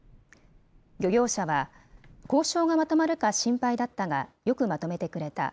漁業者は、交渉がまとまるか心配だったが、よくまとめてくれた。